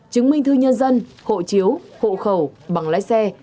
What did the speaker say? chứng minh thư nhân dân hộ chiếu hộ khẩu bằng lái xe